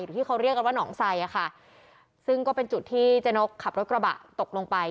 ที่เขาเรียกกันว่าหนองไซอะค่ะซึ่งก็เป็นจุดที่เจ๊นกขับรถกระบะตกลงไป